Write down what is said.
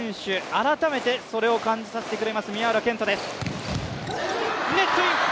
改めてそれを感じさせてくれます宮浦健人です。